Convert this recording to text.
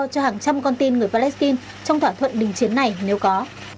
cho hàng trăm con tin người palestine trong thỏa thuận đình chiến này nếu có